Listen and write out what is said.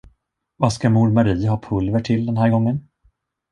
Vad ska mor Marie ha pulver till den här gången?